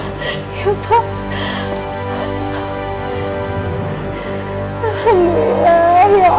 alhamdulillah ya allah